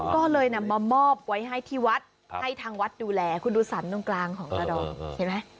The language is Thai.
ก็เลยนำมามอบไว้ให้ที่วัดให้ทางวัดดูแลคุณดูสรรตรงกลางของกระดองเห็นไหม